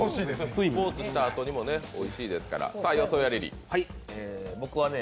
スポーツしたあとにもおいしいですから。